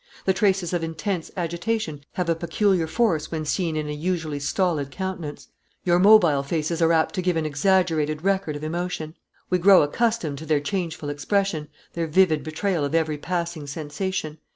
The traces of intense agitation have a peculiar force when seen in a usually stolid countenance. Your mobile faces are apt to give an exaggerated record of emotion. We grow accustomed to their changeful expression, their vivid betrayal of every passing sensation.